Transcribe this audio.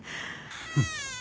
うん。